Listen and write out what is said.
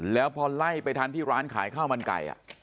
แล้วพอไล่ไปทันที่ร้านขายข้าวมันไก่